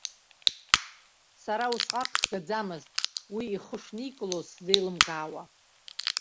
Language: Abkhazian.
Сара усҟак сгаӡамызт уи ихы шникылоз сзеилымкаауа.